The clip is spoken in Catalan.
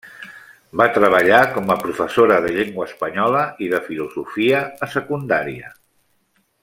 Va treballar com a professora de Llengua Espanyola i de Filosofia a Secundària.